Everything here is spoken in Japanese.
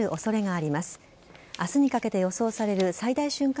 あすにかけて予想される最大瞬間